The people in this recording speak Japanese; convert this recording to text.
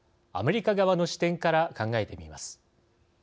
アメリカ側の視点から考えてみます。